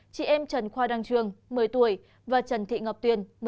chị em trần khoa đăng trường một mươi tuổi và trần thị ngọc tuyền